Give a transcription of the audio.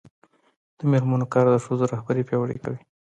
د میرمنو کار د ښځو رهبري پیاوړې کوي.